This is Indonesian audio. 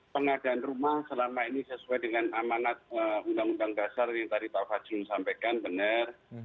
pengadaan rumah selama ini sesuai dengan amanat undang undang dasar yang tadi pak fajrul sampaikan benar